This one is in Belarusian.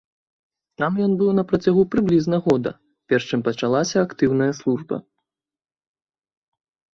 Там ён быў на працягу прыблізна года, перш чым пачалася актыўная служба.